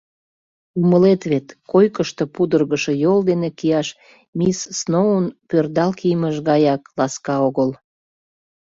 Умылет вет, койкышто пудыргышо йол дене кияш мисс Сноун пӧрдал кийымыж гаяк ласка огыл.